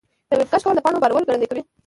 د ویب کیش کول د پاڼو بارول ګړندي کوي.